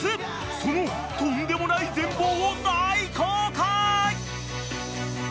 ［そのとんでもない全貌を大公開！］